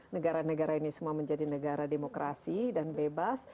negara negara ini semua menjadi negara demokrasi dan bebas